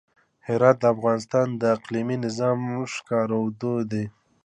هرات د افغانستان د اقلیمي نظام ښکارندوی دی.